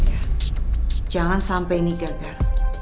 ya jangan sampai ini gagal